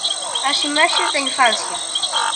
As imaxes da infancia.